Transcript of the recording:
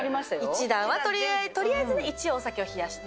１段はとりあえず、とりあえず一応お酒を冷やして。